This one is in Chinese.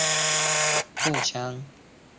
它亦是一种早期的自动步枪。